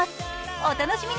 お楽しみに。